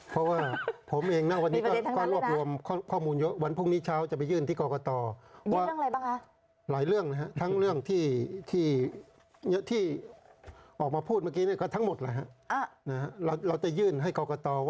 เพราะว่าผมเองนะวันนี้ก็